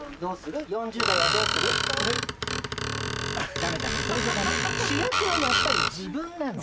ダメダメそれじゃダメ主役はやっぱり自分なの。